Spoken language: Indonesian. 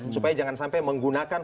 supaya jangan sampai menggunakan